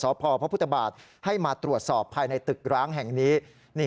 ศพพพให้มาตรวจสอบภายในตึกร้างแห่งนี้